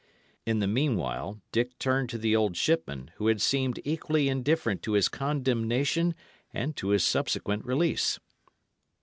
In the meanwhile, Dick turned to the old shipman, who had seemed equally indifferent to his condemnation and to his subsequent release.